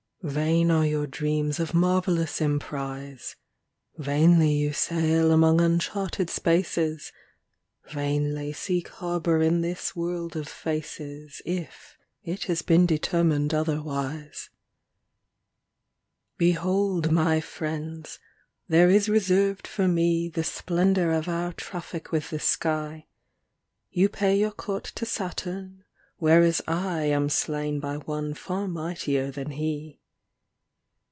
m Vain are your dreams of marvellous emprise, Vainly you sail among uncharted spaces, Vainly seek harbour in this world of faces If it has been determined otherwise. 34 THE DIWAN OF ABUŌĆÖL ALA 35 IV Behold, my friends, there is reserved for me The splendour of our traffic with the sky : You pay your court to Saturn, whereas I Am slain by One far mightier than he.